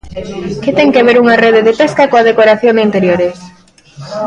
Que ten que ver unha rede de pesca coa decoración de interiores?